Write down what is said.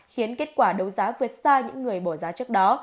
khiến kết quả đấu giá vượt xa những người bỏ giá trước đó